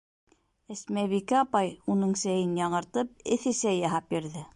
Әсмәбикә апай, уның сәйен яңыртып, эҫе сәй яһап бирҙе.